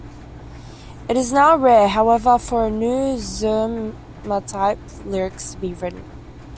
It is now rare, however, for new zemer-type lyrics to be written.